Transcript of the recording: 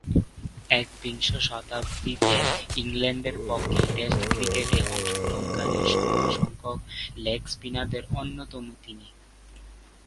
একবিংশ শতাব্দীতে ইংল্যান্ডের পক্ষে টেস্ট ক্রিকেটে অংশগ্রহণকারী স্বল্পসংখ্যক লেগ স্পিনারদের অন্যতম তিনি।